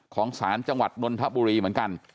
ของศาลจังหวัดนนทบุรีเหมือนกัน